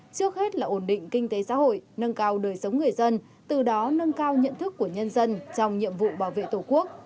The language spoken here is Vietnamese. trước hết là ổn định kinh tế xã hội nâng cao đời sống người dân từ đó nâng cao nhận thức của nhân dân trong nhiệm vụ bảo vệ tổ quốc